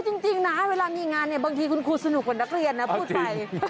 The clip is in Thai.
จริงนะเวลามีงานเนี่ยบางทีคุณครูสนุกกว่านักเรียนนะพูดไป